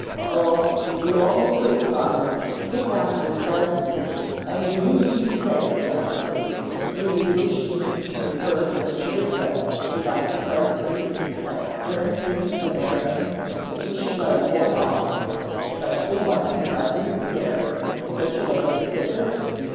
"Oh, if you only would, Father, get Dr. Pres " "And do you mean to say, Jasper, that you would wish me to prefer such a request to Dr. Presbrey, that stern disciplinarian, that he should let a boy off, especially one who is under his care in such a way as Pip is?